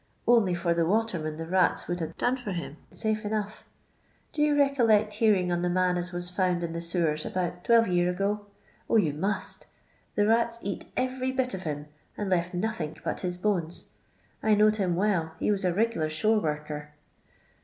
Only for the watermen the rats would ha' done for him, safe enough. Do you recollect hearing on the man aa was found in the sewers about tweWe year ago 1 — oh you must — the rats eat every bit of him, and left nothink but his bones. I knowed him well, he was a rig'lar shore worker.